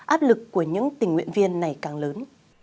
áp lực của những tình nguyện viên ngày càng lớn